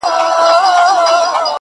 هره خوا ګورم تیارې دي چي ښکارېږي-